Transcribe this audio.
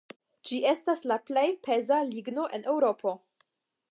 Ĝi estas la plej peza ligno en Eŭropo.